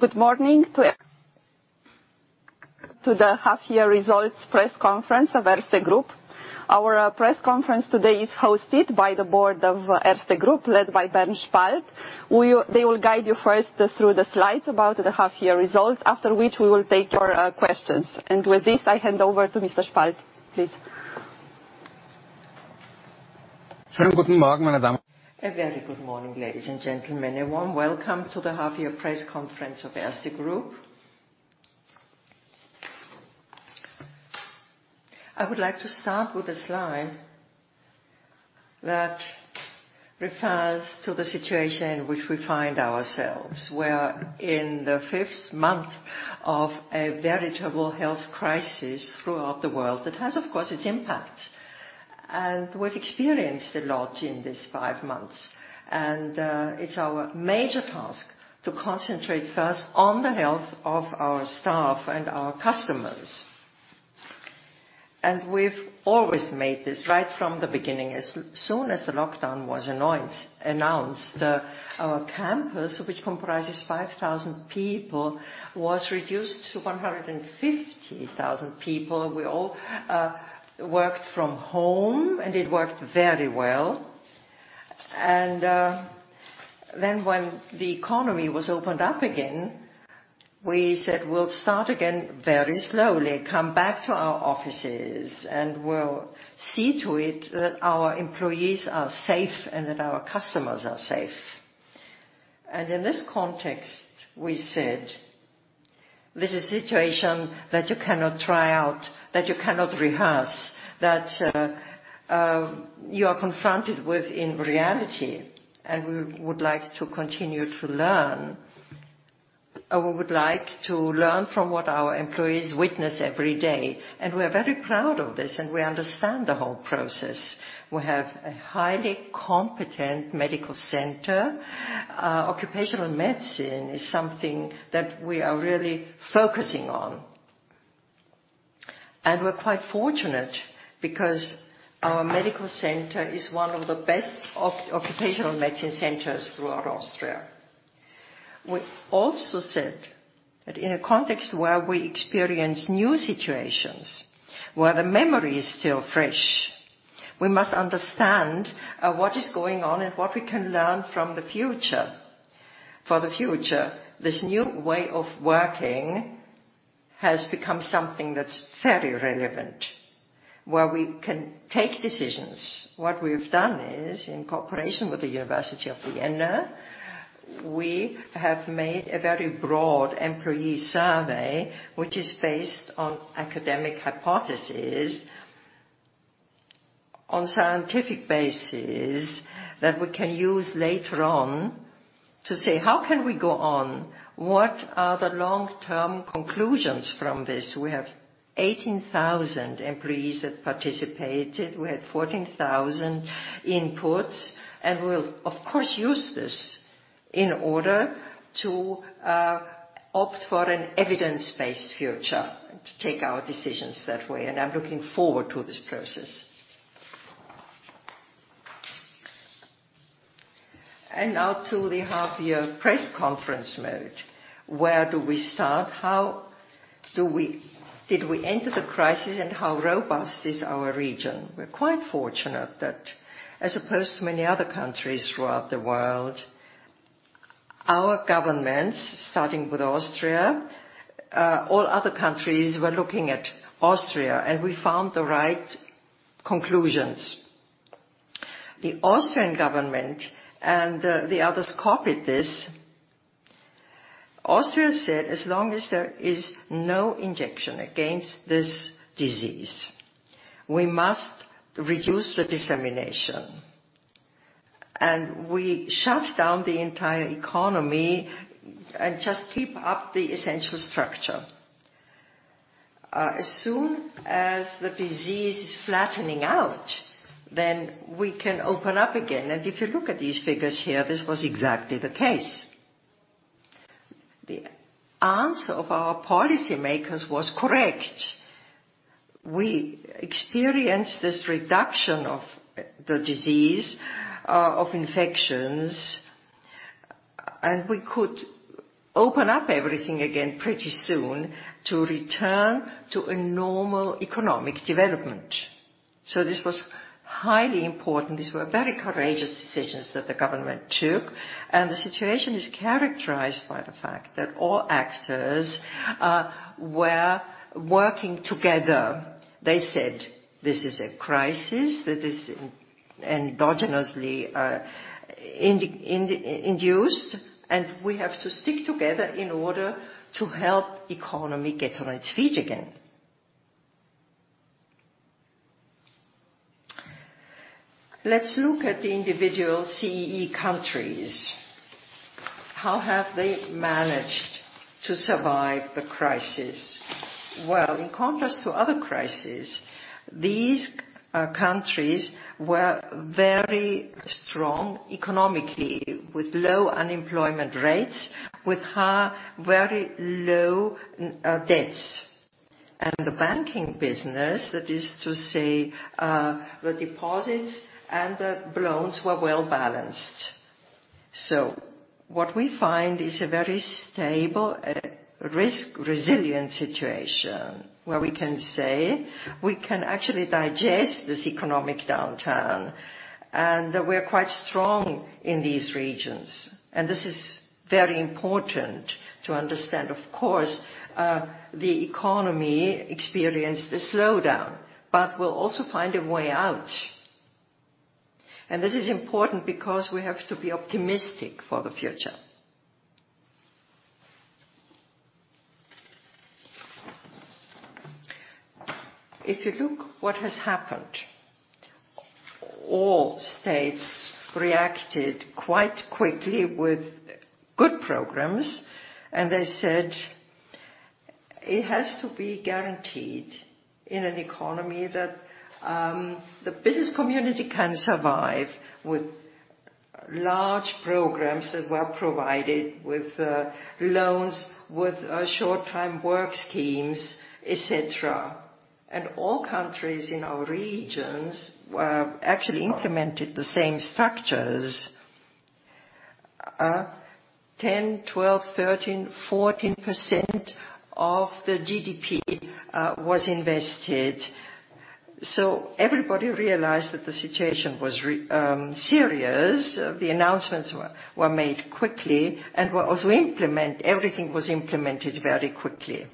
Good morning to the half-year results press conference of Erste Group. Our press conference today is hosted by the board of Erste Group, led by Bernd Spalt. They will guide you first through the slides about the half-year results, after which we will take your questions. With this, I hand over to Mr. Spalt, please. A very good morning, ladies and gentlemen. A warm welcome to the half-year press conference of Erste Group. I would like to start with a slide that refers to the situation in which we find ourselves. We're in the fifth month of a veritable health crisis throughout the world that has, of course, its impact. We've experienced a lot in these five months. It's our major task to concentrate first on the health of our staff and our customers. We've always made this right from the beginning. As soon as the lockdown was announced, our campus, which comprises 5,000 people, was reduced to 150,000 people. We all worked from home, and it worked very well. When the economy was opened up again, we said we'll start again very slowly, come back to our offices, and we'll see to it that our employees are safe and that our customers are safe. In this context, we said this is a situation that you cannot try out, that you cannot rehearse, that you are confronted with in reality, and we would like to continue to learn. We would like to learn from what our employees witness every day. We are very proud of this, and we understand the whole process. We have a highly competent medical center. Occupational medicine is something that we are really focusing on. We are quite fortunate because our medical center is one of the best occupational medicine centers throughout Austria. We also said that in a context where we experience new situations, where the memory is still fresh, we must understand what is going on and what we can learn for the future. This new way of working has become something that's very relevant, where we can take decisions. What we've done is, in cooperation with the University of Vienna, we have made a very broad employee survey, which is based on academic hypothesis, on scientific basis that we can use later on to say, how can we go on? What are the long-term conclusions from this? We have 18,000 employees that participated. We had 14,000 inputs. We'll of course use this in order to opt for an evidence-based future and to take our decisions that way. I'm looking forward to this process. Now to the half-year press conference mode. Where do we start? How did we enter the crisis, and how robust is our region? We're quite fortunate that as opposed to many other countries throughout the world, our governments, starting with Austria, all other countries were looking at Austria. We found the right conclusions. The Austrian government and the others copied this. Austria said as long as there is no injection against this disease, we must reduce the dissemination. We shut down the entire economy and just keep up the essential structure. As soon as the disease is flattening out, then we can open up again. If you look at these figures here, this was exactly the case. The answer of our policy makers was correct. We experienced this reduction of the disease of infections. We could open up everything again pretty soon to return to a normal economic development. This was highly important. These were very courageous decisions that the government took, and the situation is characterized by the fact that all actors were working together. They said this is a crisis that is endogenously induced, and we have to stick together in order to help economy get on its feet again. Let's look at the individual CEE countries. How have they managed to survive the crisis? Well, in contrast to other crises, these countries were very strong economically, with low unemployment rates, with very low debts. The banking business, that is to say, the deposits and the loans were well-balanced. What we find is a very stable risk-resilient situation where we can say we can actually digest this economic downturn, and we're quite strong in these regions. This is very important to understand, of course, the economy experienced a slowdown, but we'll also find a way out. This is important because we have to be optimistic for the future. If you look what has happened, all states reacted quite quickly with good programs, and they said it has to be guaranteed in an economy that the business community can survive with large programs that were provided with loans, with Short-Time Work Schemes, et cetera. All countries in our regions actually implemented the same structures. 10%, 12%, 13%, 14% of the GDP was invested. Everybody realized that the situation was serious. The announcements were made quickly and were also implemented. Everything was implemented very quickly.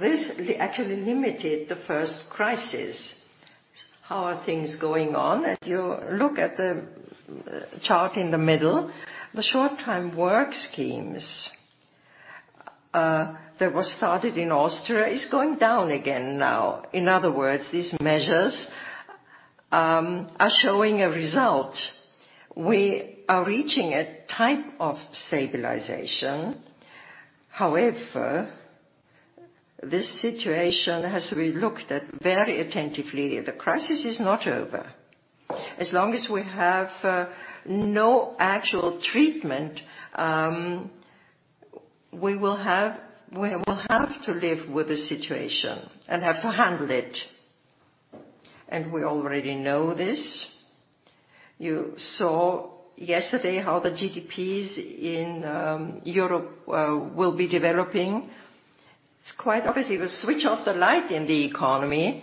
This actually limited the first crisis. How are things going on? If you look at the chart in the middle, the Short-Time Work Schemes that was started in Austria is going down again now. In other words, these measures are showing a result. We are reaching a type of stabilization. However, this situation has to be looked at very attentively. The crisis is not over. As long as we have no actual treatment, we will have to live with the situation and have to handle it. We already know this. You saw yesterday how the GDPs in Europe will be developing. It's quite obvious. If you switch off the light in the economy,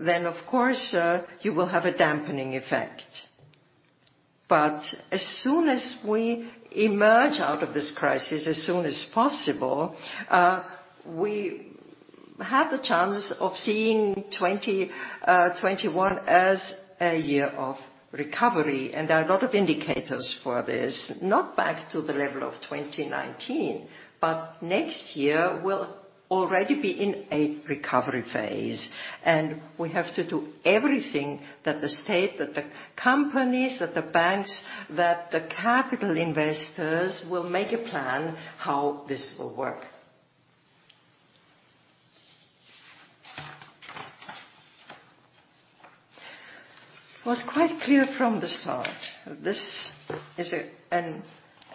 then of course, you will have a dampening effect. As soon as we emerge out of this crisis as soon as possible, we have the chance of seeing 2021 as a year of recovery. There are a lot of indicators for this. Next year, we'll already be in a recovery phase, and we have to do everything that the state, that the companies, that the banks, that the capital investors will make a plan how this will work. It was quite clear from the start this is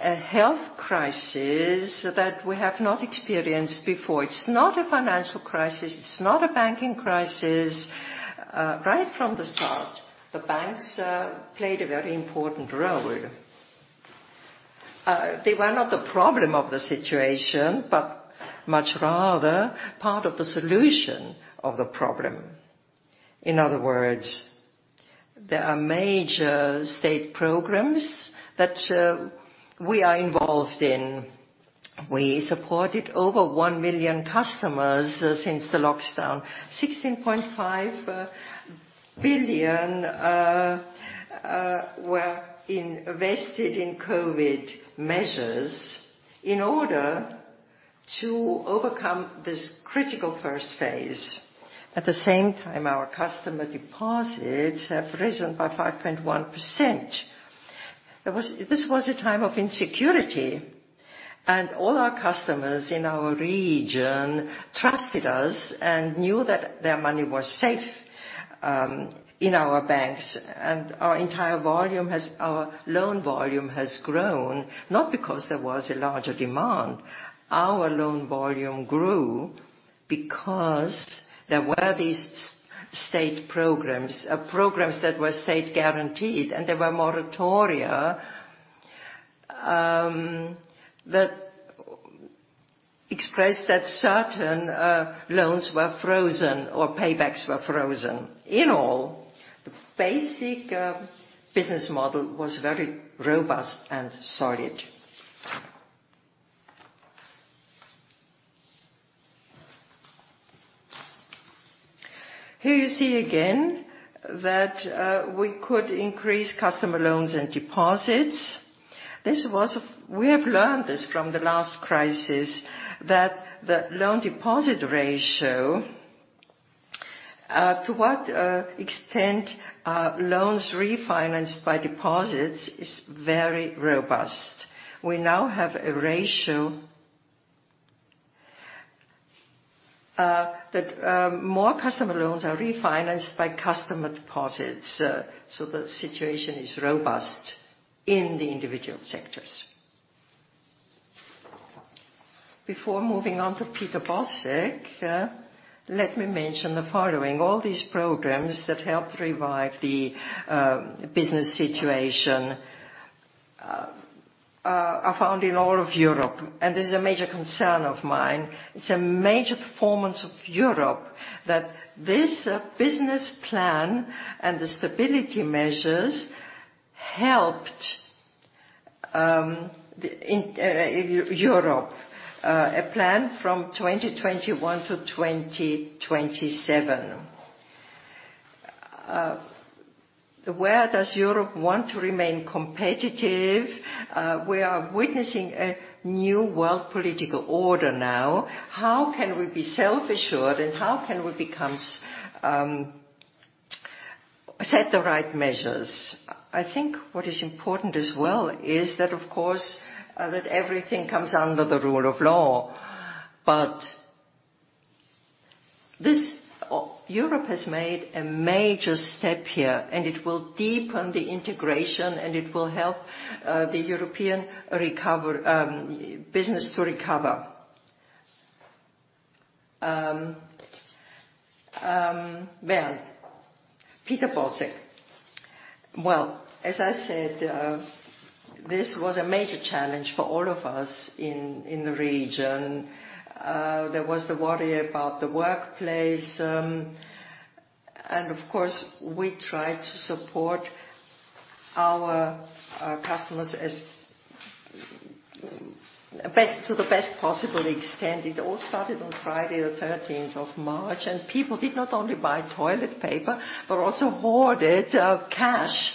a health crisis that we have not experienced before. It's not a financial crisis. It's not a banking crisis. Right from the start, the banks played a very important role. They were not the problem of the situation, but much rather part of the solution of the problem. In other words, there are major state programs that we are involved in. We supported over one million customers since the lockdown. 16.5 billion were invested in COVID measures in order to overcome this critical first phase. At the same time, our customer deposits have risen by 5.1%. This was a time of insecurity. All our customers in our region trusted us and knew that their money was safe in our banks. Our entire loan volume has grown, not because there was a larger demand. Our loan volume grew because there were these state programs that were state-guaranteed, and there were moratoria that expressed that certain loans were frozen or paybacks were frozen. In all, the basic business model was very robust and solid. Here you see again that we could increase customer loans and deposits. We have learned this from the last crisis, that the loan-to-deposit ratio to what extent loans refinanced by deposits is very robust. We now have a ratio that more customer loans are refinanced by customer deposits. The situation is robust in the individual sectors. Before moving on to Peter Bosek, let me mention the following. All these programs that helped revive the business situation are found in all of Europe, and this is a major concern of mine. It's a major performance of Europe that this business plan and the stability measures helped Europe. A plan from 2021 to 2027. Where does Europe want to remain competitive? We are witnessing a new world political order now. How can we be self-assured and how can we set the right measures? I think what is important as well is that, of course, that everything comes under the rule of law. Europe has made a major step here, and it will deepen the integration, and it will help the European business to recover. Well, Peter Bosek. Well, as I said, this was a major challenge for all of us in the region. There was the worry about the workplace. Of course, we tried to support our customers to the best possible extent. It all started on Friday the 13th of March. People did not only buy toilet paper, but also hoarded cash.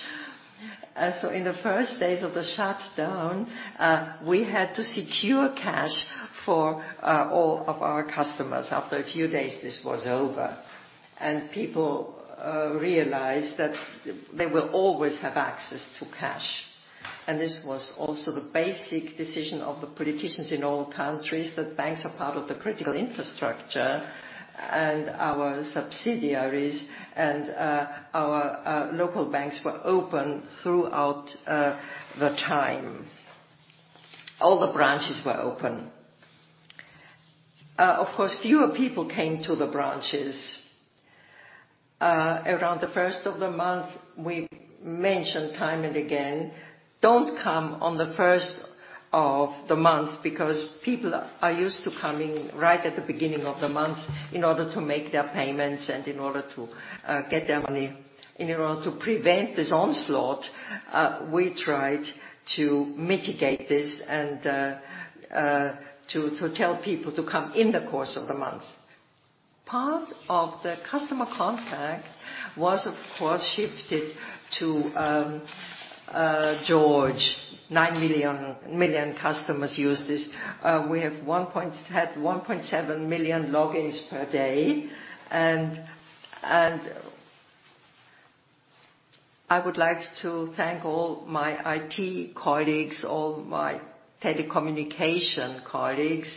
In the first days of the shutdown, we had to secure cash for all of our customers. After a few days, this was over. People realized that they will always have access to cash. This was also the basic decision of the politicians in all countries, that banks are part of the critical infrastructure. Our subsidiaries and our local banks were open throughout the time. All the branches were open. Of course, fewer people came to the branches. Around the first of the month, we mentioned time and again, don't come on the first of the month because people are used to coming right at the beginning of the month in order to make their payments and in order to get their money. In order to prevent this onslaught, we tried to mitigate this and to tell people to come in the course of the month. Part of the customer contact was, of course, shifted to George. Nine million customers use this. We have had 1.7 million logins per day, and I would like to thank all my IT colleagues, all my telecommunication colleagues.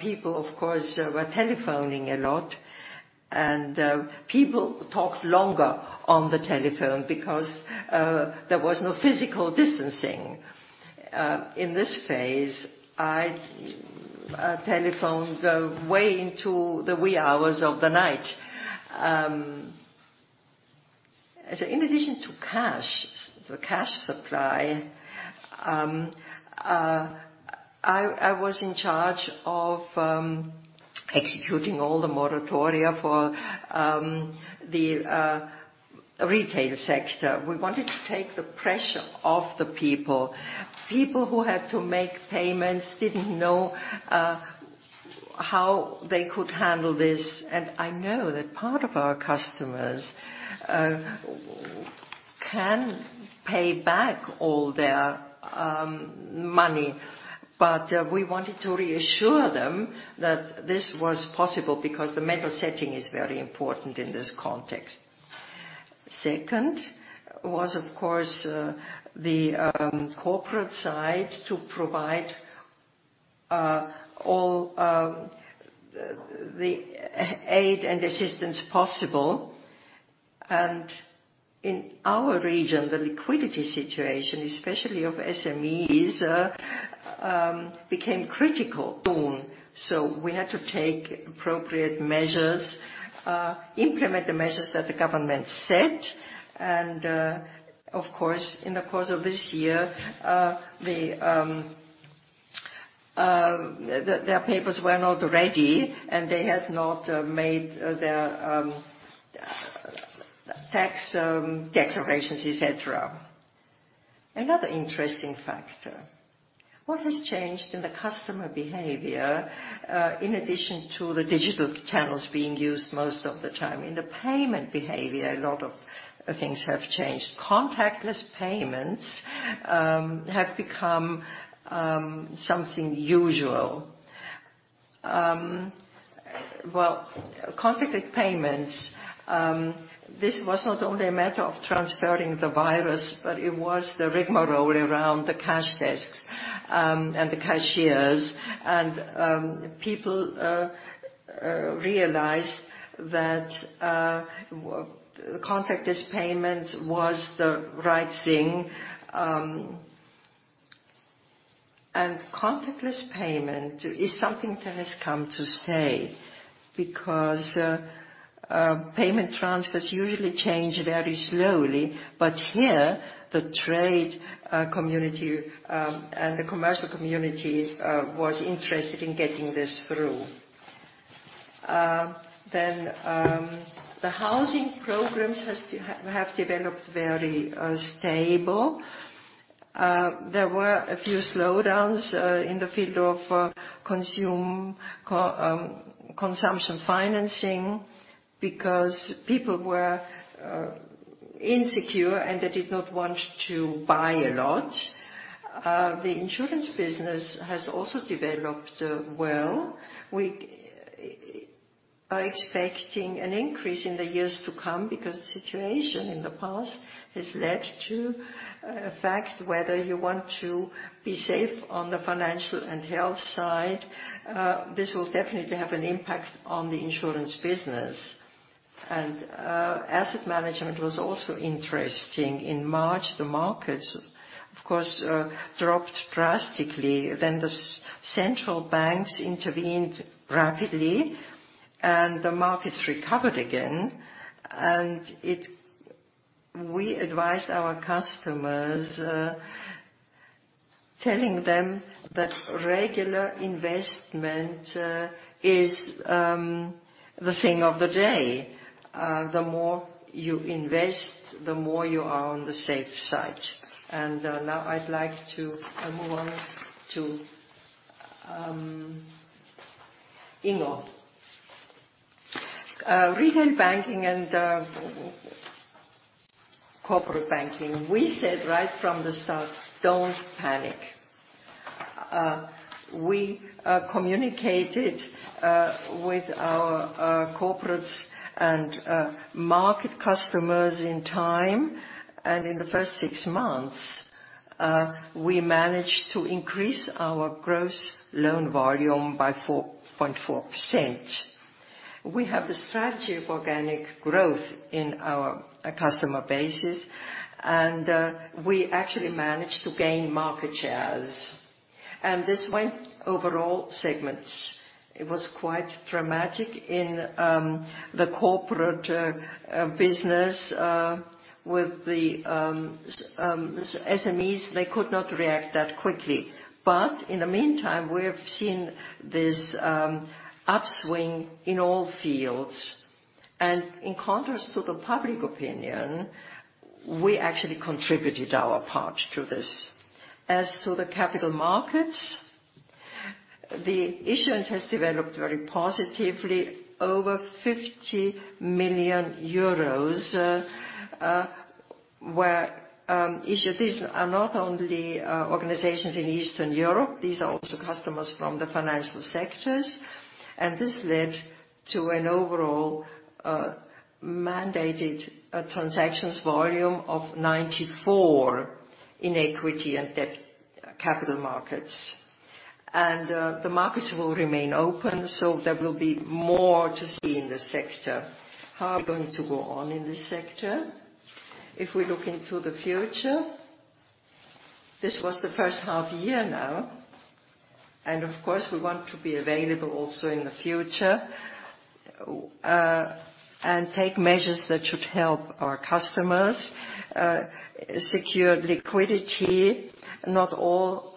People, of course, were telephoning a lot. People talked longer on the telephone because there was no physical distancing. In this phase, I telephoned way into the wee hours of the night. In addition to cash, the cash supply, I was in charge of executing all the moratoria for the retail sector. We wanted to take the pressure off the people. People who had to make payments didn't know how they could handle this, and I know that part of our customers can pay back all their money. We wanted to reassure them that this was possible because the mental setting is very important in this context. Second was, of course, the corporate side to provide all the aid and assistance possible. In our region, the liquidity situation, especially of SMEs, became critical soon. We had to take appropriate measures, implement the measures that the government set, and, of course, in the course of this year, their papers were not ready, and they had not made their tax declarations, et cetera. Another interesting factor, what has changed in the customer behavior, in addition to the digital channels being used most of the time? In the payment behavior, a lot of things have changed. Contactless payments have become something usual. Contactless payments, this was not only a matter of transferring the virus, but it was the rigmarole around the cash desks and the cashiers. People realized that contactless payment was the right thing. Contactless payment is something that has come to stay, because payment transfers usually change very slowly. Here, the trade community, and the commercial community was interested in getting this through. The housing programs have developed very stable. There were a few slowdowns in the field of consumption financing, because people were insecure, and they did not want to buy a lot. The insurance business has also developed well. We are expecting an increase in the years to come, because the situation in the past has led to a fact whether you want to be safe on the financial and health side. This will definitely have an impact on the insurance business. Asset management was also interesting. In March, the markets, of course, dropped drastically. The central banks intervened rapidly, and the markets recovered again. We advised our customers, telling them that regular investment is the thing of the day. The more you invest, the more you are on the safe side. Now I'd like to move on to Ingo. Retail banking and corporate banking. We said right from the start, "Don't panic." We communicated with our corporates and market customers in time. In the first six months, we managed to increase our gross loan volume by 4.4%. We have the strategy of organic growth in our customer bases. We actually managed to gain market shares, and this went overall segments. It was quite dramatic in the corporate business with the SMEs. They could not react that quickly. In the meantime, we have seen this upswing in all fields. In contrast to the public opinion, we actually contributed our part to this. As to the capital markets, the issuance has developed very positively. Over 50 million euros were issued. These are not only organizations in Eastern Europe, these are also customers from the financial sectors. This led to an overall mandated transactions volume of 94 in equity and debt capital markets. The markets will remain open, so there will be more to see in this sector. How are we going to go on in this sector? If we look into the future, this was the first half year now. Of course we want to be available also in the future, and take measures that should help our customers secure liquidity. Not all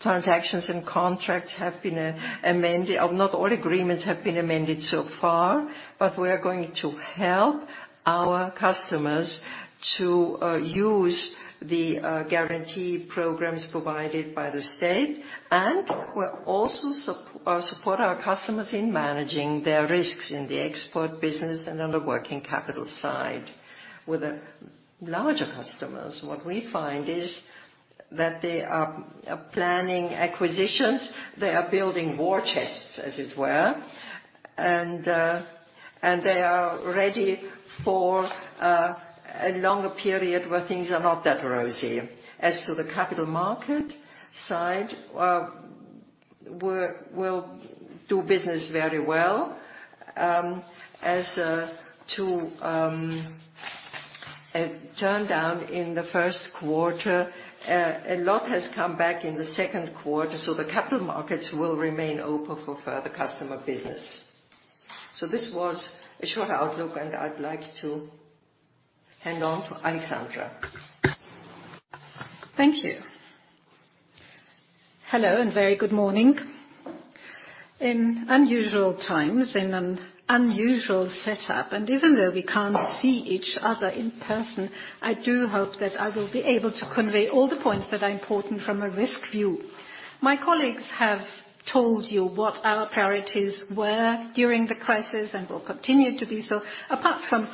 transactions and contracts have been amended, or not all agreements have been amended so far. We are going to help our customers to use the guarantee programs provided by the state, and we will also support our customers in managing their risks in the export business and on the working capital side. With the larger customers, what we find is that they are planning acquisitions. They are building war chests, as it were. They are ready for a longer period where things are not that rosy. As to the capital market side, we will do business very well. As to turn down in the first quarter, a lot has come back in the second quarter, so the capital markets will remain open for further customer business. This was a short outlook, and I'd like to hand on to Alexandra. Thank you. Hello, and very good morning. In unusual times, in an unusual setup, and even though we can't see each other in person, I do hope that I will be able to convey all the points that are important from a risk view. My colleagues have told you what our priorities were during the crisis and will continue to be so. Apart from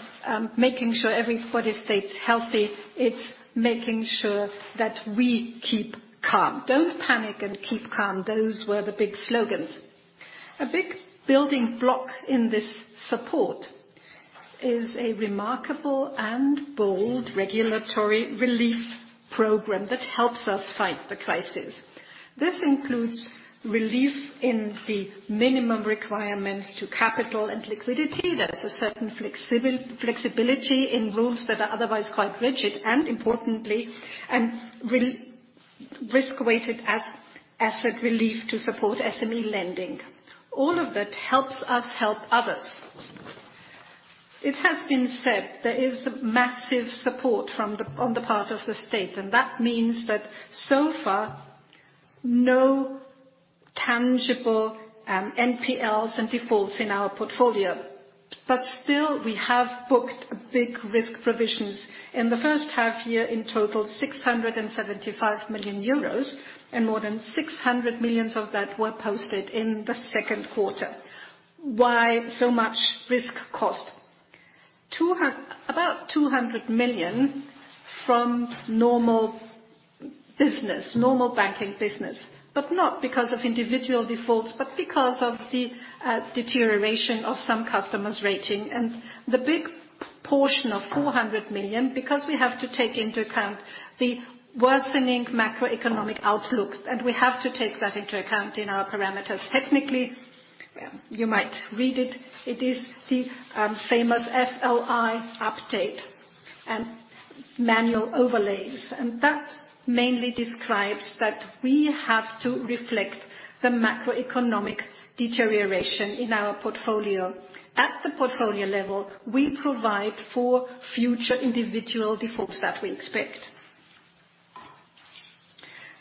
making sure everybody stays healthy, it's making sure that we keep calm. Don't panic and keep calm. Those were the big slogans. A big building block in this support is a remarkable and bold regulatory relief program that helps us fight the crisis. This includes relief in the minimum requirements to capital and liquidity. There is a certain flexibility in rules that are otherwise quite rigid and importantly, risk-weighted asset relief to support SME lending. All of that helps us help others. It has been said there is massive support on the part of the state. That means that so far, no tangible NPLs and defaults in our portfolio. Still, we have booked big risk provisions in the first half year in total, 675 million euros. More than 600 million of that were posted in the second quarter. Why so much risk cost? About 200 million from normal business, normal banking business, not because of individual defaults, because of the deterioration of some customers' rating. The big portion of 400 million, because we have to take into account the worsening macroeconomic outlook. We have to take that into account in our parameters. Technically, you might read it is the famous FLI update and manual overlays. That mainly describes that we have to reflect the macroeconomic deterioration in our portfolio. At the portfolio level, we provide for future individual defaults that we expect.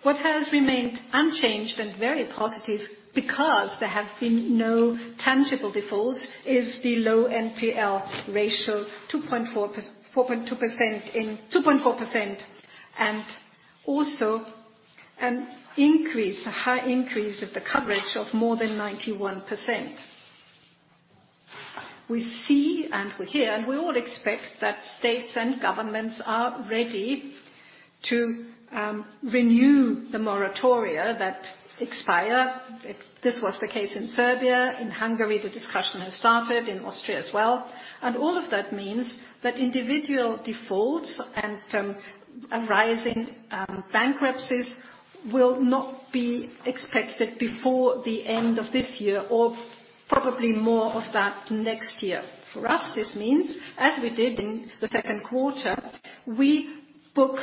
What has remained unchanged and very positive because there have been no tangible defaults, is the low NPL ratio, 2.4%, and also an increase, a high increase of the coverage of more than 91%. We see and we hear and we all expect that states and governments are ready to renew the moratoria that expire. This was the case in Serbia. In Hungary, the discussion has started, in Austria as well. All of that means that individual defaults and arising bankruptcies will not be expected before the end of this year or probably more of that next year. For us, this means, as we did in the second quarter, we book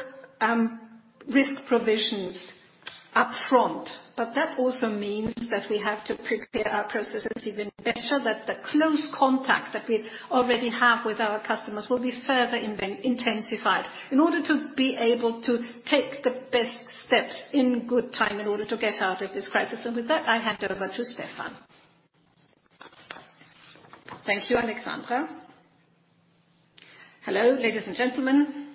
risk provisions up front. That also means that we have to prepare our processes even better so that the close contact that we already have with our customers will be further intensified in order to be able to take the best steps in good time in order to get out of this crisis. With that, I hand over to Stefan. Thank you, Alexandra. Hello, ladies and gentlemen.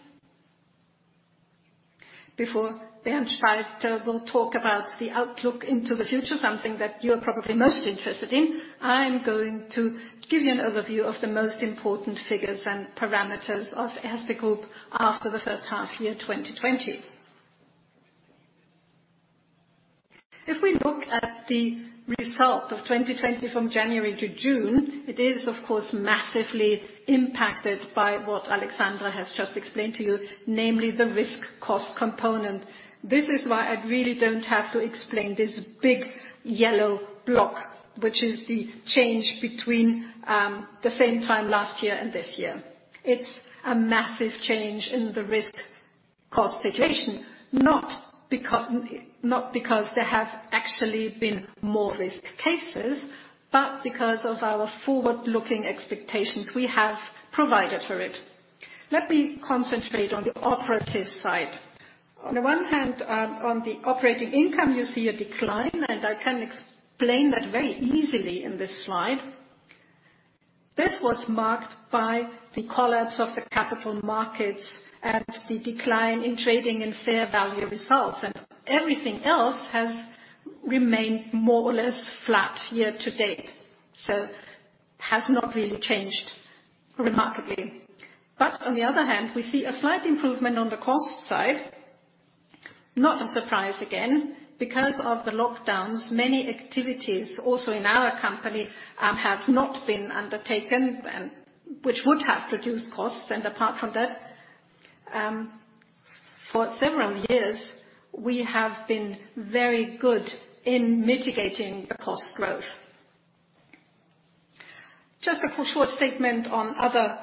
Before Bernd Spalt will talk about the outlook into the future, something that you are probably most interested in, I am going to give you an overview of the most important figures and parameters of Erste Group after the first half year 2020. If we look at the result of 2020 from January to June, it is of course, massively impacted by what Alexandra has just explained to you, namely the risk cost component. This is why I really don't have to explain this big yellow block, which is the change between the same time last year and this year. It's a massive change in the risk cost situation, not because there have actually been more risk cases, but because of our forward-looking expectations we have provided for it. Let me concentrate on the operative side. On the one hand, on the operating income, you see a decline, and I can explain that very easily in this slide. This was marked by the collapse of the capital markets and the decline in trading and fair value results, and everything else has remained more or less flat year to date. It has not really changed remarkably. On the other hand, we see a slight improvement on the cost side, not a surprise again. Of the lockdowns, many activities also in our company have not been undertaken, which would have reduced costs. Apart from that, for several years, we have been very good in mitigating the cost growth. Just a short statement on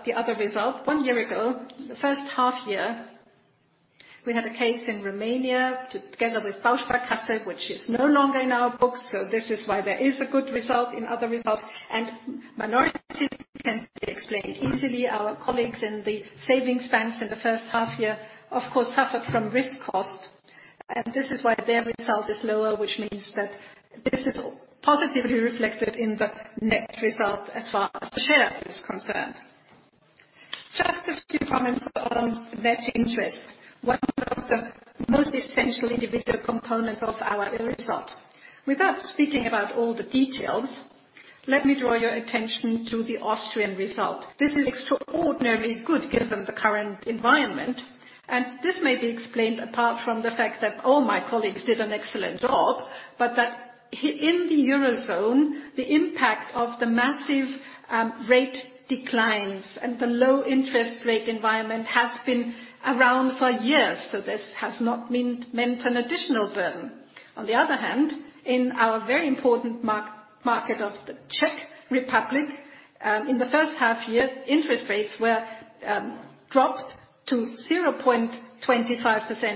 the other result. One year ago, the first half year, we had a case in Romania together with Bancpost, which is no longer in our books. This is why there is a good result in other results, and minority can be explained easily. Our colleagues in the savings banks in the first half year, of course, suffered from risk costs, and this is why their result is lower, which means that this is positively reflected in the net result as far as the share is concerned. Just a few comments on net interest, one of the most essential individual components of our result. Without speaking about all the details. Let me draw your attention to the Austrian result. This is extraordinarily good given the current environment. This may be explained, apart from the fact that all my colleagues did an excellent job, but that in the Eurozone, the impact of the massive rate declines and the low interest rate environment has been around for years. This has not meant an additional burden. On the other hand, in our very important market of the Czech Republic, in the first half year, interest rates were dropped to 0.25%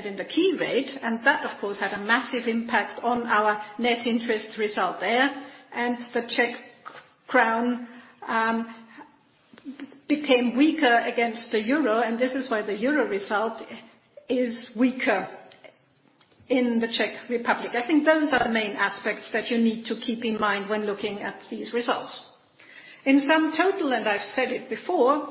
in the key rate. That, of course, had a massive impact on our net interest result there. The Czech crown became weaker against the euro. This is why the euro result is weaker in the Czech Republic. I think those are the main aspects that you need to keep in mind when looking at these results. In sum total, and I've said it before,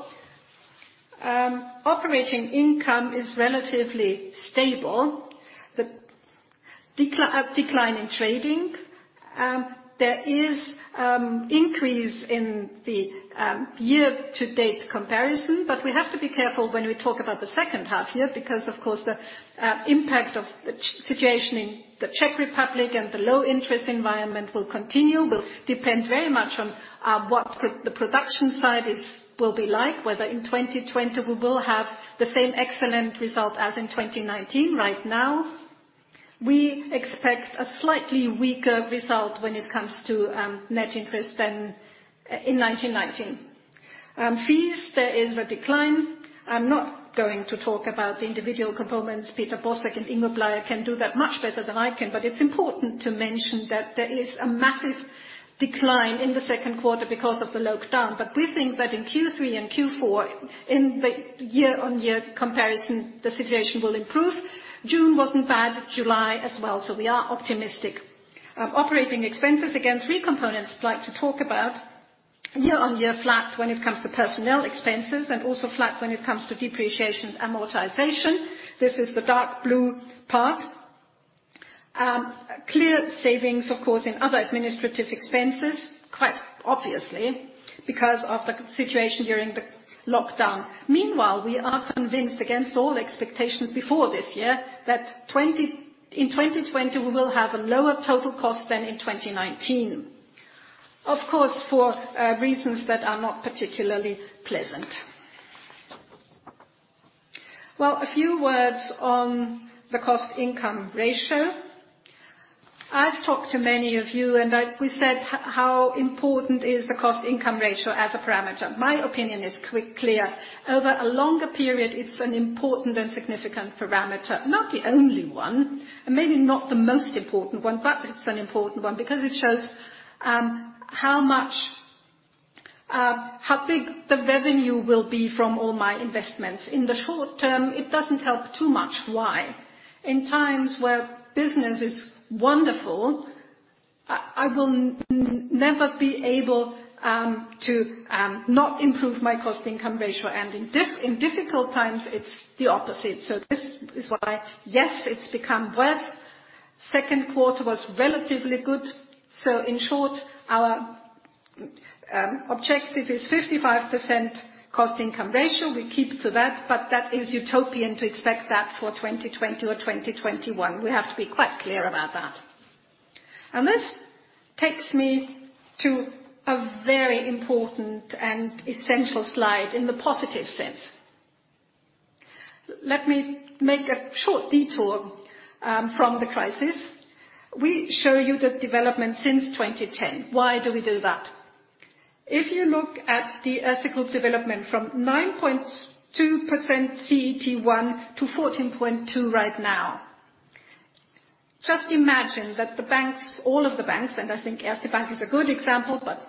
operating income is relatively stable. The decline in trading, there is increase in the year-to-date comparison. We have to be careful when we talk about the second half year because, of course, the impact of the situation in the Czech Republic and the low interest environment will continue, will depend very much on what the production side will be like, whether in 2020 we will have the same excellent result as in 2019. Right now, we expect a slightly weaker result when it comes to net interest than in 2019. Fees, there is a decline. I'm not going to talk about the individual components. Peter Bosek and Ingo Bleier can do that much better than I can, it's important to mention that there is a massive decline in the second quarter because of the lockdown. We think that in Q3 and Q4, in the year-on-year comparison, the situation will improve. June wasn't bad, July as well. We are optimistic. Operating expenses, again, three components I'd like to talk about. Year-on-year flat when it comes to personnel expenses, also flat when it comes to depreciation, amortization. This is the dark blue part. Clear savings, of course, in other administrative expenses, quite obviously, because of the situation during the lockdown. Meanwhile, we are convinced, against all expectations before this year, that in 2020 we will have a lower total cost than in 2019. Of course, for reasons that are not particularly pleasant. Well, a few words on the cost-income ratio. I've talked to many of you, and we said how important is the cost-income ratio as a parameter. My opinion is clear. Over a longer period, it's an important and significant parameter. Not the only one, and maybe not the most important one, but it's an important one because it shows how big the revenue will be from all my investments. In the short-term, it doesn't help too much. Why? In times where business is wonderful, I will never be able to not improve my cost-income ratio, and in difficult times, it's the opposite. This is why, yes, it's become worse. Second quarter was relatively good. In short, our objective is 55% cost-income ratio. We keep to that, but that is utopian to expect that for 2020 or 2021. We have to be quite clear about that. This takes me to a very important and essential slide in the positive sense. Let me make a short detour from the crisis. We show you the development since 2010. Why do we do that? If you look at the Erste Group development from 9.2% CET1 to 14.2% right now, just imagine that the banks, all of the banks, and I think Erste Bank is a good example, but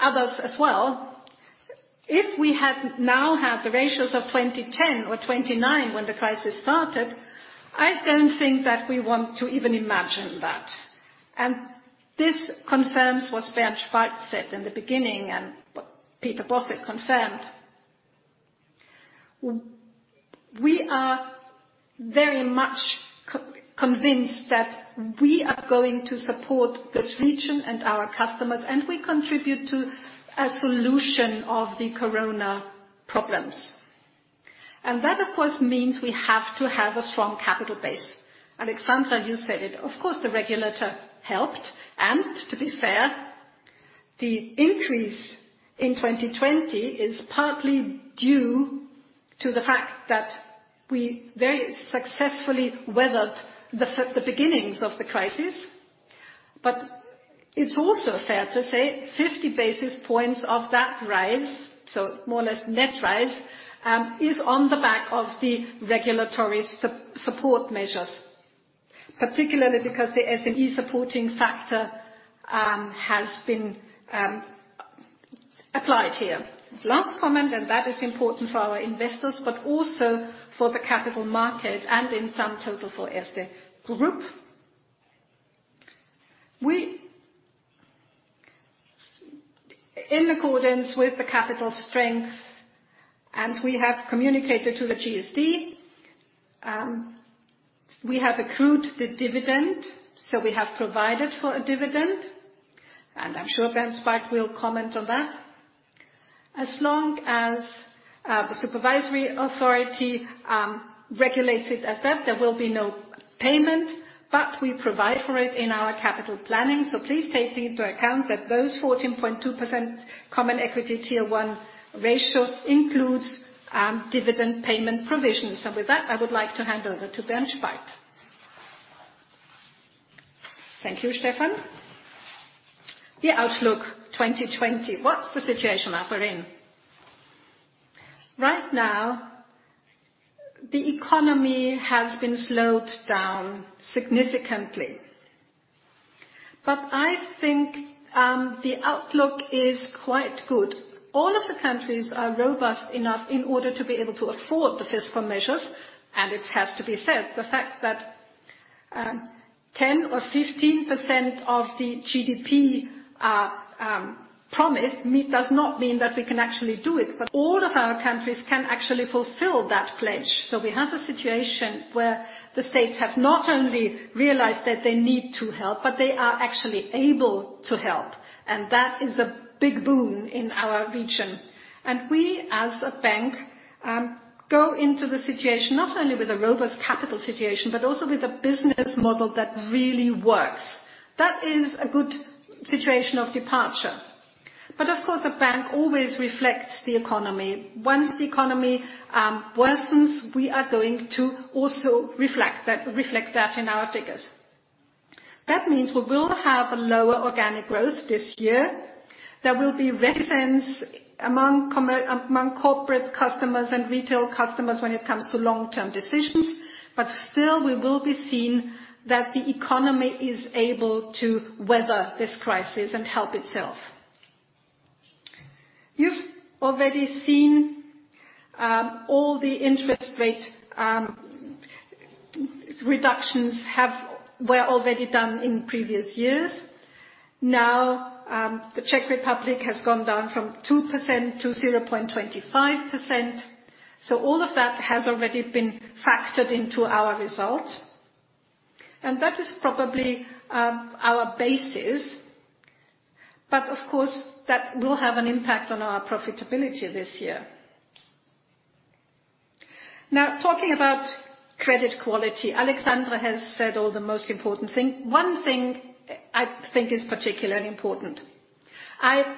others as well, if we now had the ratios of 2010 or 2009 when the crisis started, I don't think that we want to even imagine that. This confirms what Bernd Spalt said in the beginning and what Peter Bosek confirmed. We are very much convinced that we are going to support this region and our customers, and we contribute to a solution of the Corona problems. That, of course, means we have to have a strong capital base. Alexandra, you said it. Of course, the regulator helped, and to be fair, the increase in 2020 is partly due to the fact that we very successfully weathered the beginnings of the crisis. It's also fair to say 50 basis points of that rise, so more or less net rise, is on the back of the regulatory support measures, particularly because the SME supporting factor has been applied here. Last comment, and that is important for our investors, but also for the capital market and in sum total for Erste Group. We in accordance with the capital strength, and we have communicated to the JST. We have accrued the dividend, so we have provided for a dividend, and I'm sure Bernd Spalt will comment on that. As long as the supervisory authority regulates it as that, there will be no payment, but we provide for it in our capital planning. Please take into account that those 14.2% Common Equity Tier 1 ratio includes dividend payment provisions. With that, I would like to hand over to Bernd Spalt. Thank you, Stefan. The outlook 2020, what's the situation that we're in? Right now, the economy has been slowed down significantly. I think the outlook is quite good. All of the countries are robust enough in order to be able to afford the fiscal measures, and it has to be said, the fact that 10% or 15% of the GDP promise meet does not mean that we can actually do it, but all of our countries can actually fulfill that pledge. We have a situation where the states have not only realized that they need to help, but they are actually able to help. That is a big boon in our region. We, as a bank, go into the situation not only with a robust capital situation, but also with a business model that really works. That is a good situation of departure. Of course, a bank always reflects the economy. Once the economy worsens, we are going to also reflect that in our figures. That means we will have a lower organic growth this year. There will be reticence among corporate customers and retail customers when it comes to long-term decisions, but still, we will be seeing that the economy is able to weather this crisis and help itself. You've already seen all the interest rate reductions were already done in previous years. The Czech Republic has gone down from 2% to 0.25%. All of that has already been factored into our result, and that is probably our basis. Of course, that will have an impact on our profitability this year. Talking about credit quality, Alexandra has said all the most important thing. One thing I think is particularly important, I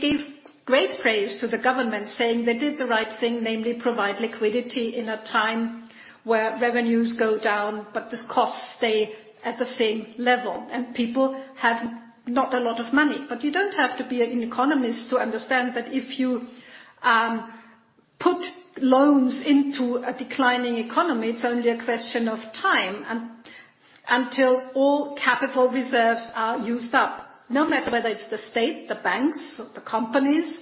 give great praise to the government saying they did the right thing, namely provide liquidity in a time where revenues go down, but these costs stay at the same level and people have not a lot of money. You don't have to be an economist to understand that if you put loans into a declining economy, it's only a question of time until all capital reserves are used up. No matter whether it's the state, the banks, the companies,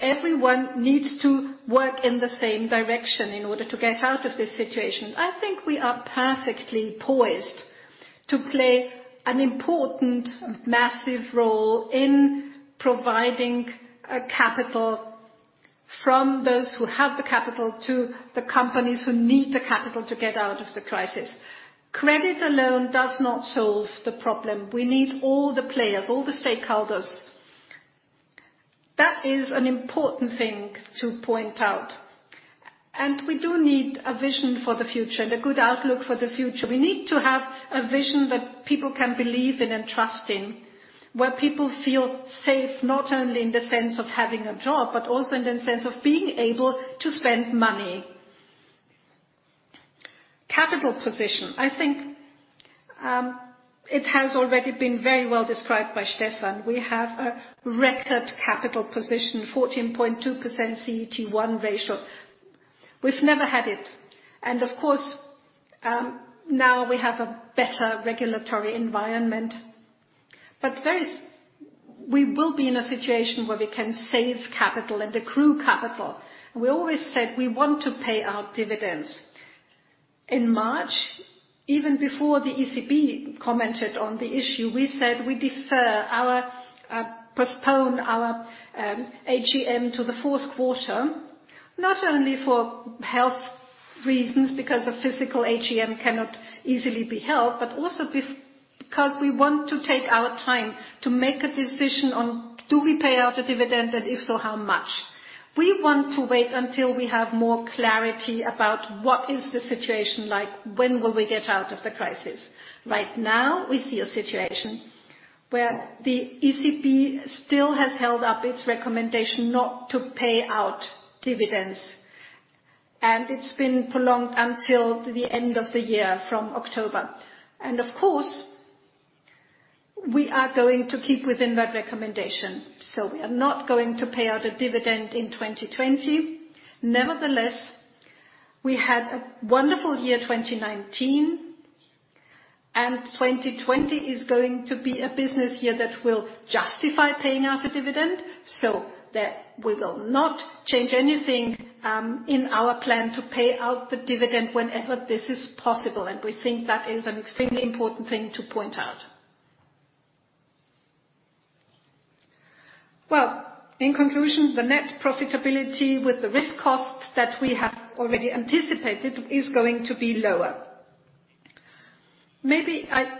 everyone needs to work in the same direction in order to get out of this situation. I think we are perfectly poised to play an important, massive role in providing a capital from those who have the capital to the companies who need the capital to get out of the crisis. Credit alone does not solve the problem. We need all the players, all the stakeholders. That is an important thing to point out. We do need a vision for the future and a good outlook for the future. We need to have a vision that people can believe in and trust in, where people feel safe, not only in the sense of having a job, but also in the sense of being able to spend money. Capital position. I think it has already been very well described by Stefan. We have a record capital position, 14.2% CET1 ratio. We've never had it. Of course, now we have a better regulatory environment, but we will be in a situation where we can save capital and accrue capital. We always said we want to pay out dividends. In March, even before the ECB commented on the issue, we said we postpone our AGM to the fourth quarter, not only for health reasons, because a physical AGM cannot easily be held, but also because we want to take our time to make a decision on, do we pay out a dividend, and if so, how much? We want to wait until we have more clarity about what is the situation like, when will we get out of the crisis. We see a situation where the ECB still has held up its recommendation not to pay out dividends. It's been prolonged until the end of the year from October. Of course, we are going to keep within that recommendation. We are not going to pay out a dividend in 2020. We had a wonderful year 2019, and 2020 is going to be a business year that will justify paying out a dividend. We will not change anything in our plan to pay out the dividend whenever this is possible. We think that is an extremely important thing to point out. Well, in conclusion, the net profitability with the risk costs that we have already anticipated is going to be lower. Maybe I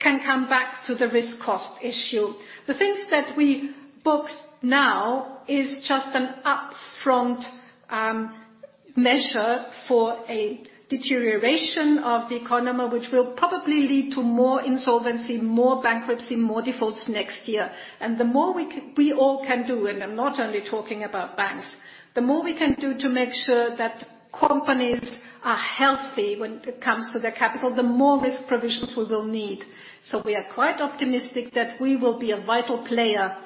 can come back to the risk cost issue. The things that we book now is just an upfront measure for a deterioration of the economy, which will probably lead to more insolvency, more bankruptcy, more defaults next year. The more we all can do, and I am not only talking about banks, the more we can do to make sure that companies are healthy when it comes to their capital, the more risk provisions we will need. We are quite optimistic that we will be a vital player.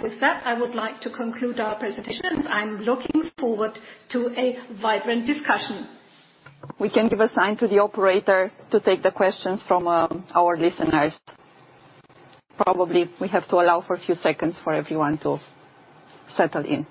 With that, I would like to conclude our presentation, and I am looking forward to a vibrant discussion. We can give a sign to the operator to take the questions from our listeners. Probably we have to allow for a few seconds for everyone to settle in.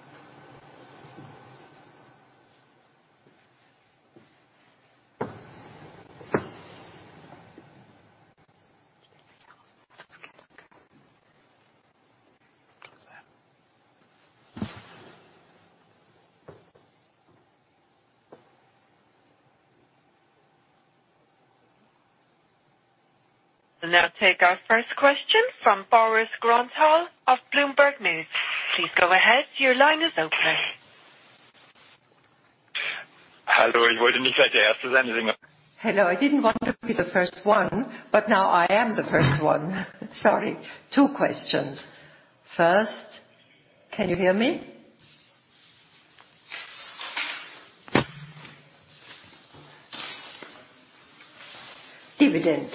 We'll now take our first question from Boris Groendahl of Bloomberg News. Please go ahead. Your line is open. Hello. I didn't want to be the first one, but now I am the first one. Sorry. Two questions. First, can you hear me? Dividend,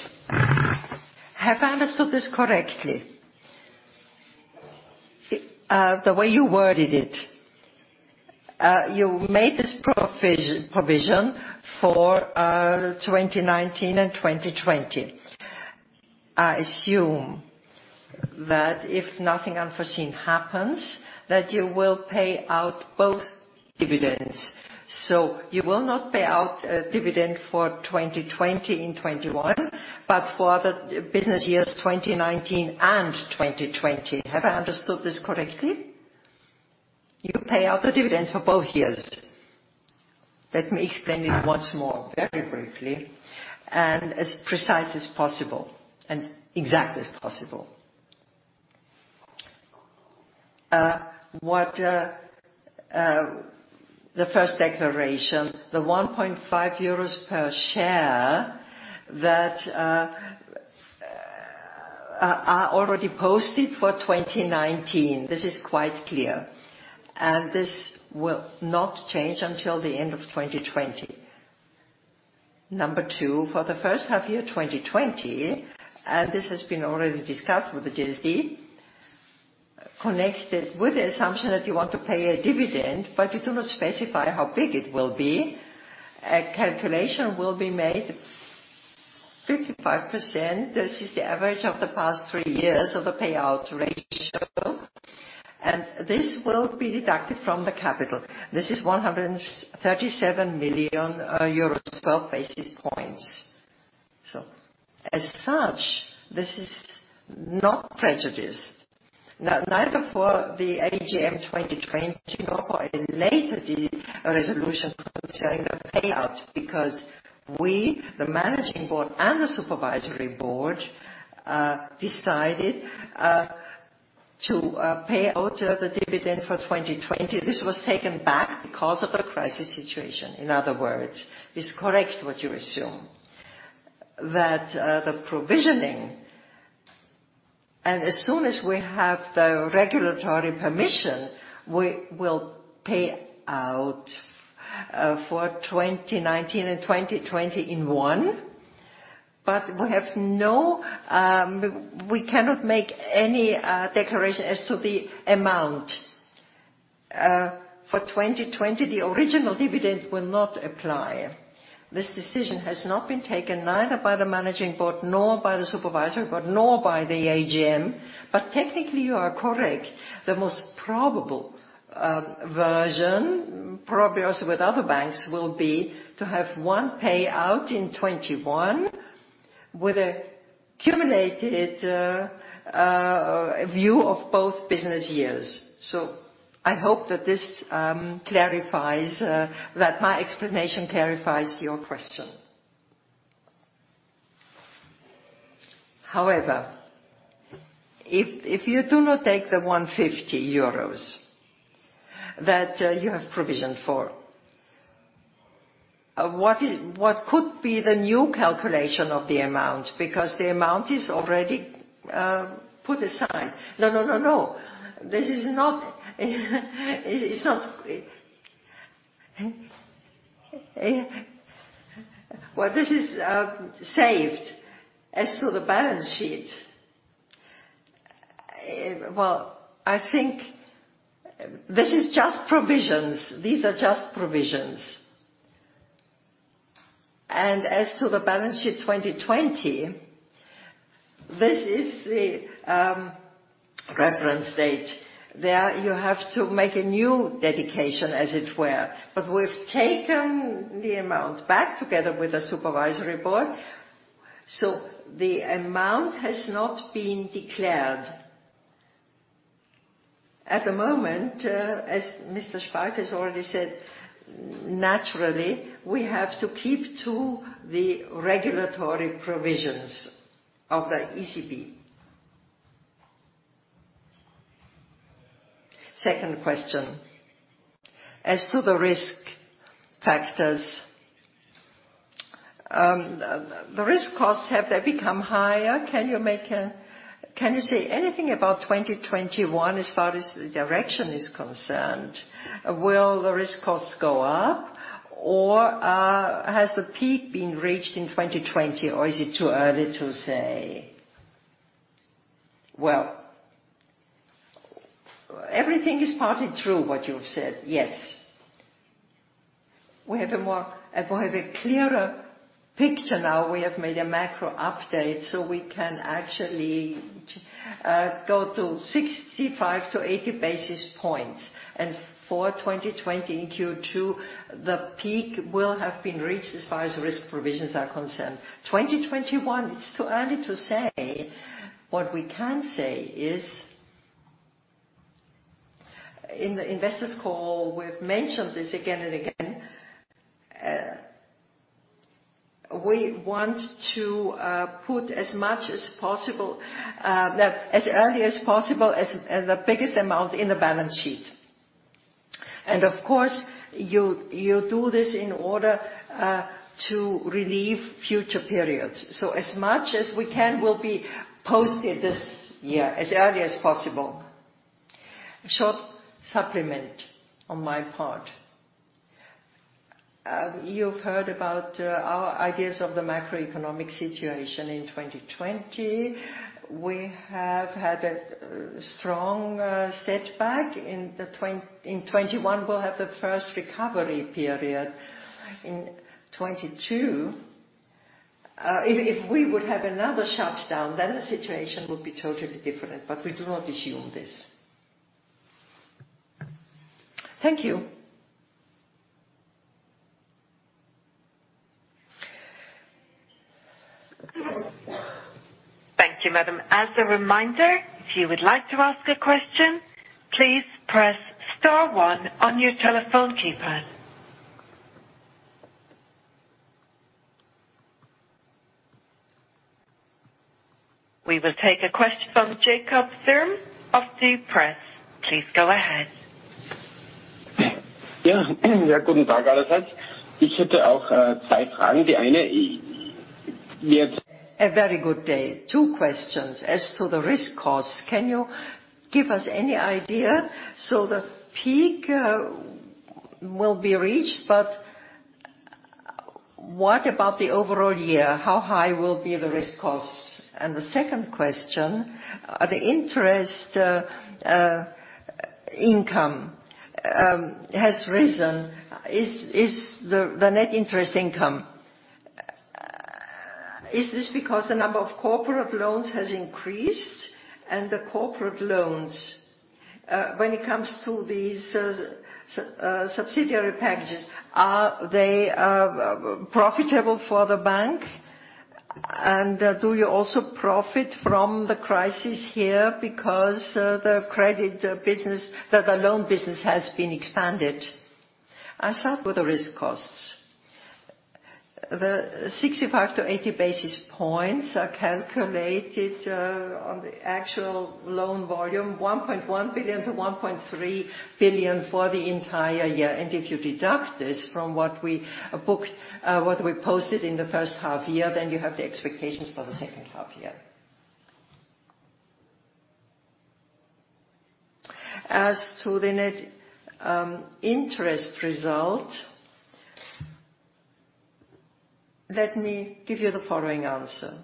have I understood this correctly? The way you worded it, you made this provision for 2019 and 2020. I assume that if nothing unforeseen happens, that you will pay out both dividends. You will not pay out a dividend for 2020 in 2021, but for the business years 2019 and 2020. Have I understood this correctly? You pay out the dividends for both years. Let me explain it once more, very briefly, and as precise as possible and exact as possible. The first declaration, the 1.5 euros per share that are already posted for 2019, this is quite clear, and this will not change until the end of 2020. Number two, for the first half year 2020, this has been already discussed with the JST, connected with the assumption that you want to pay a dividend, but you do not specify how big it will be. A calculation will be made, 55%, this is the average of the past three years of the payout ratio, and this will be deducted from the capital. This is 137 million euros, 12 basis points. As such, this is not prejudiced. Neither for the AGM 2020 nor for a later resolution concerning a payout because we, the managing board and the supervisory board, decided to pay out the dividend for 2020. This was taken back because of the crisis situation, in other words. It's correct what you assume, that the provisioning, and as soon as we have the regulatory permission, we will pay out for 2019 and 2020 in one, but we cannot make any declaration as to the amount. For 2020, the original dividend will not apply. This decision has not been taken neither by the managing board, nor by the supervisory board, nor by the AGM. Technically, you are correct. The most probable version, probably also with other banks, will be to have one payout in 2021 with a cumulated view of both business years. I hope that my explanation clarifies your question. However, if you do not take the 150 euros that you have provisioned for, what could be the new calculation of the amount? The amount is already put aside. No, this is saved as to the balance sheet. Well, I think these are just provisions. As to the balance sheet 2020, this is the reference date. There you have to make a new dedication as it were. We've taken the amount back together with the supervisory board. The amount has not been declared. At the moment, as Stefan has already said, naturally, we have to keep to the regulatory provisions of the ECB. Second question, as to the risk factors. The risk costs, have they become higher? Can you say anything about 2021 as far as the direction is concerned? Will the risk costs go up? Has the peak been reached in 2020, or is it too early to say? Everything is partly true what you've said. Yes. We have a clearer picture now. We have made a macro update, we can actually go to 65 to 80 basis points. For 2020, in Q2, the peak will have been reached as far as risk provisions are concerned. 2021, it's too early to say. What we can say is, in the investors call, we've mentioned this again and again, we want to put as early as possible as the biggest amount in the balance sheet. Of course, you'll do this in order to relieve future periods. As much as we can will be posted this year, as early as possible. Short supplement on my part. You've heard about our ideas of the macroeconomic situation in 2020. We have had a strong setback. In 2021, we'll have the first recovery period. In 2022, if we would have another shutdown, then the situation would be totally different, but we do not assume this. Thank you. Thank you, madam. As a reminder, if you would like to ask a question, please press star one on your telephone keypad. We will take a question from Jacob Thurm of Die Presse. Please go ahead. A very good day. Two questions. As to the risk costs, can you give us any idea? The peak will be reached, but what about the overall year? How high will be the risk costs? The second question, the interest income has risen. The net interest income. Is this because the number of corporate loans has increased? The corporate loans, when it comes to these subsidiary packages, are they profitable for the bank? Do you also profit from the crisis here because the loan business has been expanded? I'll start with the risk costs. The 65 to 80 basis points are calculated on the actual loan volume, 1.1 billion to 1.3 billion for the entire year. If you deduct this from what we posted in the first half year, then you have the expectations for the second half year. As to the net interest result, let me give you the following answer.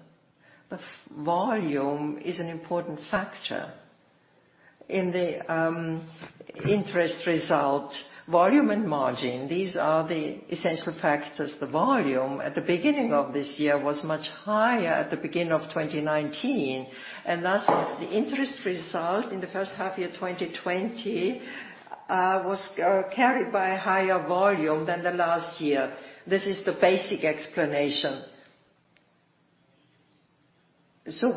The volume is an important factor in the interest result. Volume and margin, these are the essential factors. The volume at the beginning of this year was much higher at the beginning of 2019, thus the interest result in the first half year 2020 was carried by a higher volume than the last year. This is the basic explanation.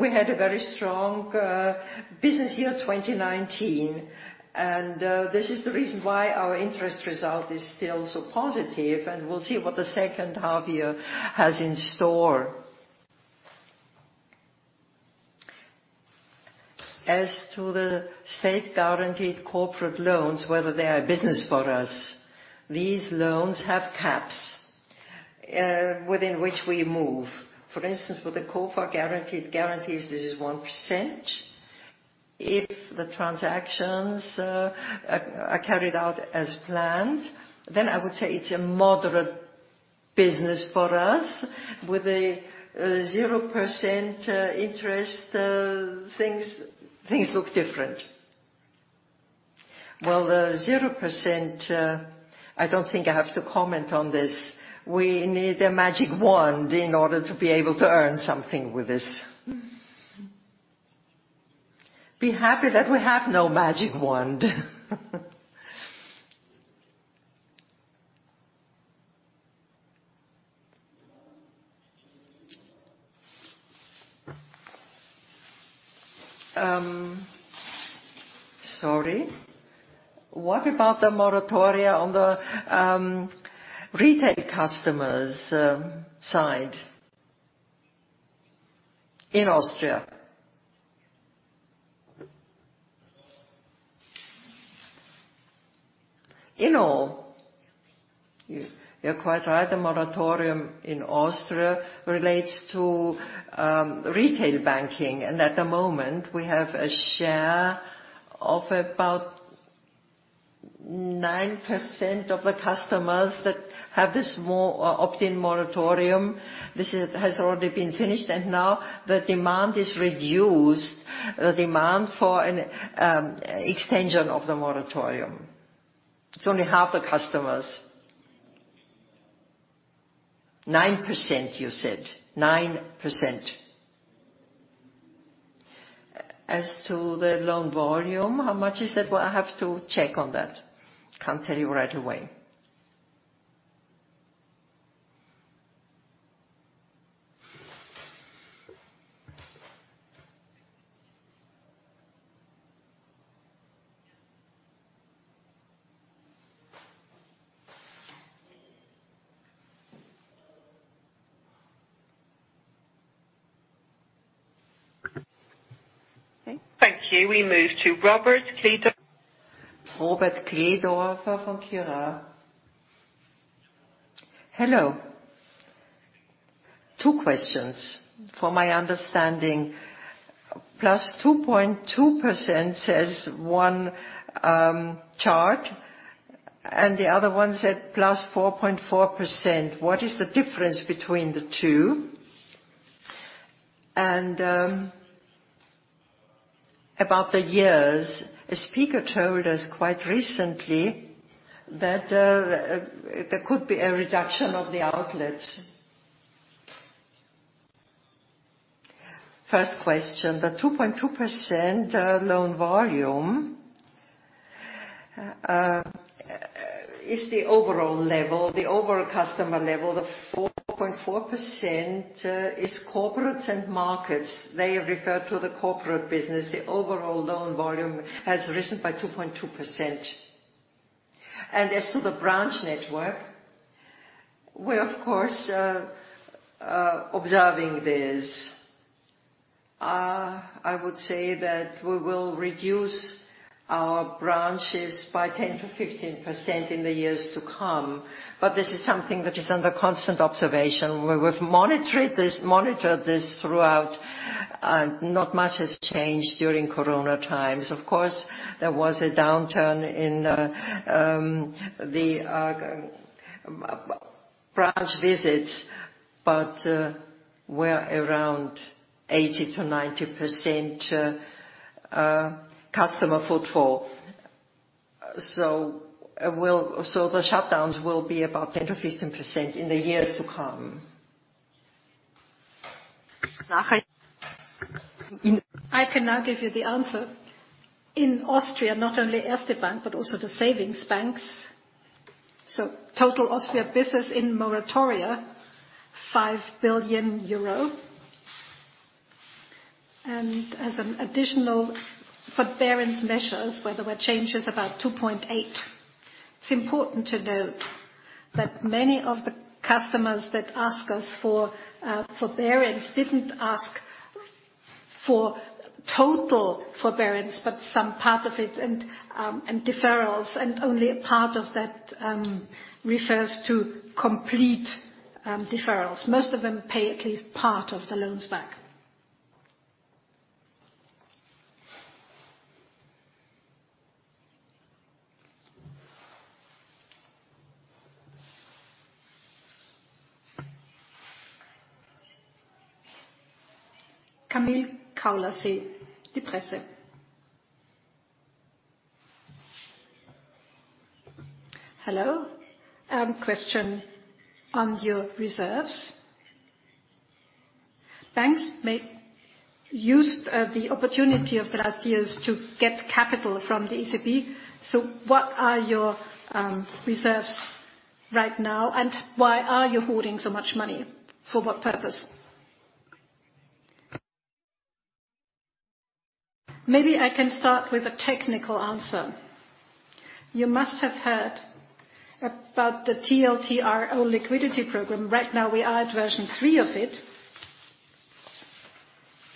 We had a very strong business year 2019, this is the reason why our interest result is still so positive, we'll see what the second half year has in store. As to the state-guaranteed corporate loans, whether they are business for us, these loans have caps within which we move. For instance, with the COFAG guarantees, this is 1%. If the transactions are carried out as planned, then I would say it is a moderate business for us. With a 0% interest, things look different. Well, the 0%, I do not think I have to comment on this. We need a magic wand in order to be able to earn something with this. Be happy that we have no magic wand. Sorry. What about the moratoria on the retail customers side in Austria? In all, you're quite right. The moratorium in Austria relates to retail banking, and at the moment we have a share of about 9% of the customers that have this opt-in moratorium. This has already been finished, and now the demand is reduced, the demand for an extension of the moratorium. It's only half the customers. 9%, you said. 9%. As to the loan volume, how much is that? Well, I have to check on that. Can't tell you right away. Thank you. We move to Robert Kleedorfer. Robert Kleedorfer from Kurier. Hello. Two questions. For my understanding, +2.2% says one chart. The other one said +4.4%. What is the difference between the two? About the years, a speaker told us quite recently that there could be a reduction of the outlets. First question, the 2.2% loan volume is the overall level, the overall customer level. The 4.4% is Corporates and Markets. They refer to the corporate business. The overall loan volume has risen by 2.2%. As to the branch network, we're of course observing this. I would say that we will reduce our branches by 10%-15% in the years to come, but this is something that is under constant observation. We've monitored this throughout. Not much has changed during corona times. Of course, there was a downturn in the branch visits, but we're around 80%-90% customer footfall. The shutdowns will be about 10%-15% in the years to come. I can now give you the answer. Total Austria business in moratoria, 5 billion euro. As an additional forbearance measures where there were changes, about 2.8 billion. It's important to note that many of the customers that ask us for forbearance didn't ask for total forbearance, but some part of it and deferrals, and only a part of that refers to complete deferrals. Most of them pay at least part of the loans back. Camille Kaulerse, Die Presse. Hello. Question on your reserves. Banks may use the opportunity of last years to get capital from the ECB, so what are your reserves right now, and why are you hoarding so much money? For what purpose? Maybe I can start with a technical answer. You must have heard about the TLTRO liquidity program. Right now, we are at version three of it.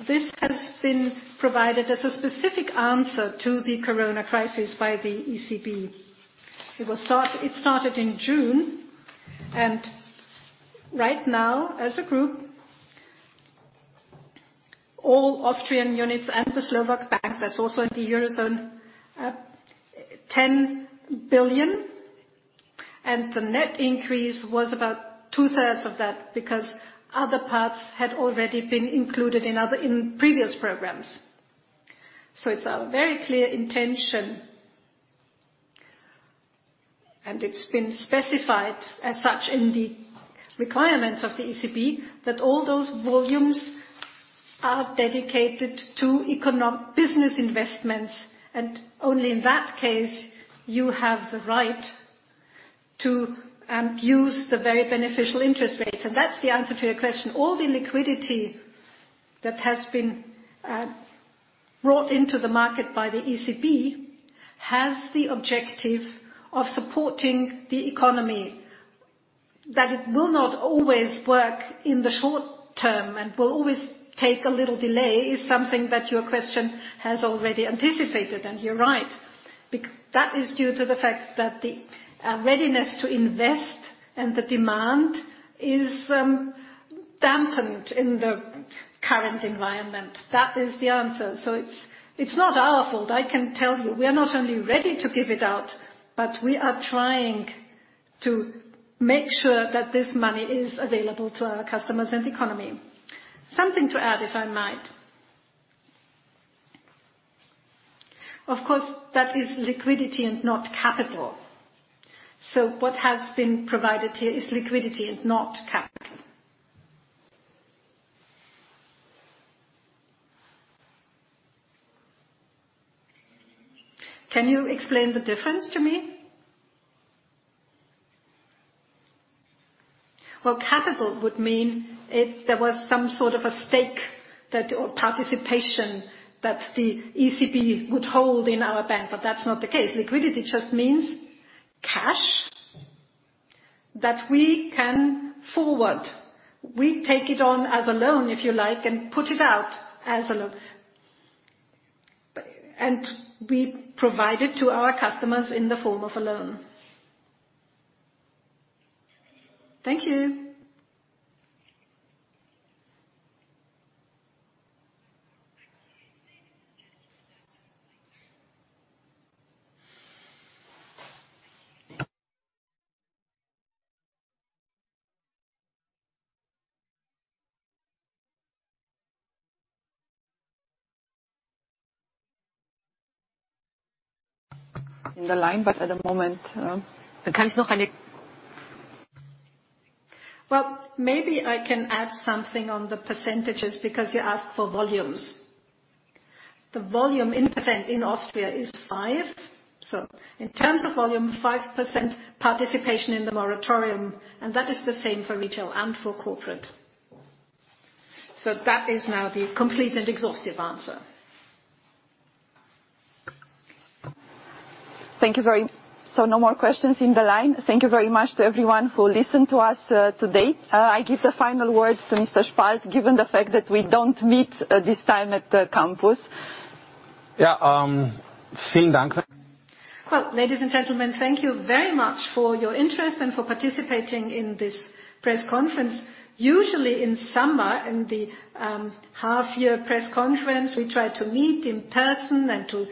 This has been provided as a specific answer to the corona crisis by the ECB. It started in June, and right now, as a group, all Austrian units and the Slovak Bank that's also in the Eurozone, 10 billion, and the net increase was about 2/3 of that, because other parts had already been included in previous programs. It's our very clear intention, and it's been specified as such in the requirements of the ECB that all those volumes are dedicated to business investments, and only in that case, you have the right to use the very beneficial interest rates. That's the answer to your question. All the liquidity that has been brought into the market by the ECB has the objective of supporting the economy. It will not always work in the short term and will always take a little delay is something that your question has already anticipated, and you are right. It is due to the fact that the readiness to invest and the demand is dampened in the current environment. It is the answer. It's not our fault. I can tell you, we are not only ready to give it out, but we are trying to make sure that this money is available to our customers and the economy. Something to add, if I might. Of course, that is liquidity and not capital. What has been provided here is liquidity and not capital. Can you explain the difference to me? Well, capital would mean if there was some sort of a stake or participation that the ECB would hold in our bank, but that's not the case. Liquidity just means cash that we can forward. We take it on as a loan, if you like, and put it out as a loan. We provide it to our customers in the form of a loan. Thank you. In the line, but at the moment. Well, maybe I can add something on the percentages because you asked for volumes. The volume in percentage in Austria is 5%. In terms of volume, 5% participation in the moratorium, and that is the same for retail and for corporate. That is now the complete and exhaustive answer. No more questions in the line. Thank you very much to everyone who listened to us today. I give the final words to Mr. Spalt, given the fact that we don't meet this time at the campus. Well, ladies and gentlemen, thank you very much for your interest and for participating in this press conference. Usually in summer, in the half-year press conference, we try to meet in person and to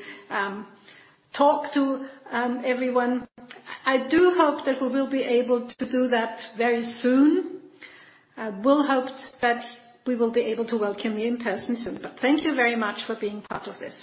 talk to everyone. I do hope that we will be able to do that very soon. I hope that we will be able to welcome you in person soon. Thank you very much for being part of this.